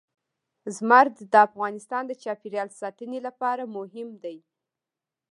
زمرد د افغانستان د چاپیریال ساتنې لپاره مهم دي.